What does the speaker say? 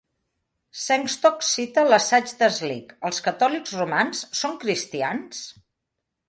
Sengstock cita l'assaig de Slick Els catòlics romans són cristians?